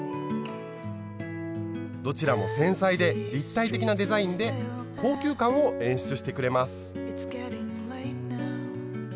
どちらも繊細で立体的なデザインで高級感を演出してくれます。